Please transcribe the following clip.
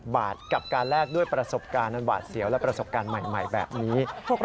บาทกับการแลกด้วยประสบการณ์อันหวาดเสียวและประสบการณ์ใหม่แบบนี้